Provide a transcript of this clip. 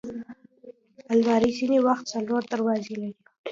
الماري ځینې وخت څلور دروازې لري